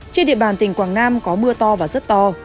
trên địa bàn tỉnh quảng nam có mưa to và rất to